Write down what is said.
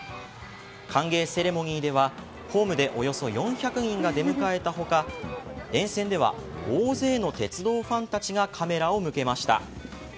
歓迎セレモニーではホームでおよそ４００人が出迎えた他沿線では大勢の鉄道ファンたちがカメラを向けました。